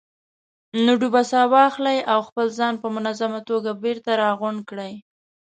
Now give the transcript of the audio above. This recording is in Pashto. نو ډوبه ساه واخلئ او خپل ځان په منظمه توګه بېرته راغونډ کړئ.